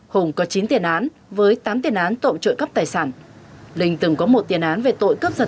hùng có chín tiền án với tám tiền án tội trộm cắp tài sản linh từng có một tiền án về tội cướp giật